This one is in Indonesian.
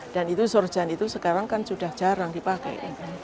dan sorjan itu sekarang kan sudah jarang dipakai